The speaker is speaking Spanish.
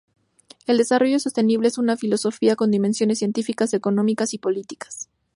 El desarrollo sostenible es una filosofía con dimensiones científicas, económicas y políticas.